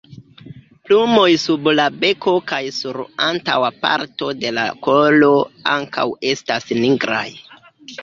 Plumoj sub la beko kaj sur antaŭa parto de la kolo ankaŭ estas nigraj.